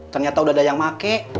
ternyata udah ada yang pakai